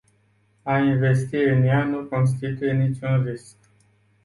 A investi în ea nu constituie niciun risc.